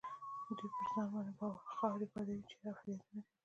دوی پر ځان خاورې بادوي، چیغې او فریادونه کوي.